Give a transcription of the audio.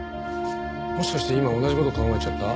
もしかして今同じ事考えちゃった？